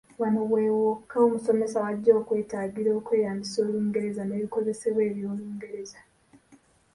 Wano we wokka omusomesa w'ajja okwetaagira okweyambisa Olungereza n’ebikozesebwa eby’Olungereza.